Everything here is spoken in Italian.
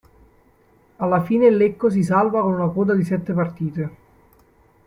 Alla fine il Lecco si salva con una coda di sette partite.